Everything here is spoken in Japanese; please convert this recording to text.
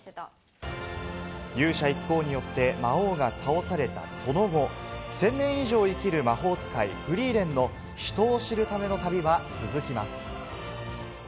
勇者一行によって魔王が倒されたその後、千年以上生きる魔法使い、フリーレンの、人を知るための旅は続きます。